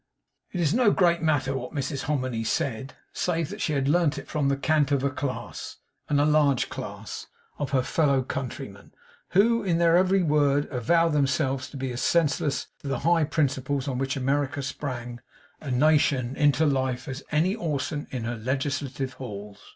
It is no great matter what Mrs Hominy said, save that she had learnt it from the cant of a class, and a large class, of her fellow countrymen, who in their every word, avow themselves to be as senseless to the high principles on which America sprang, a nation, into life, as any Orson in her legislative halls.